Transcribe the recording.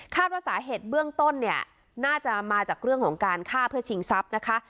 ว่าสาเหตุเบื้องต้นเนี่ยน่าจะมาจากเรื่องของการฆ่าเพื่อชิงทรัพย์นะคะ